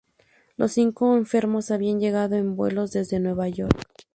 Los cinco enfermos habían llegado en vuelos desde Nueva York.